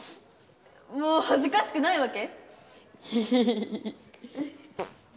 もうはずかしくないわけ？